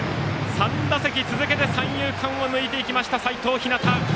３打席続けて三遊間を抜いた齋藤陽。